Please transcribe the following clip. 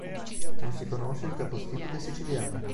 Non si conosce il capostipite siciliano.